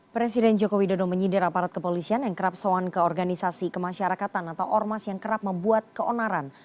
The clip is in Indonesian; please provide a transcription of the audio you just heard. presiden joko widodo menyindir aparat kepolisian yang kerap soan ke organisasi kemasyarakatan atau ormas yang kerap membuat keonaran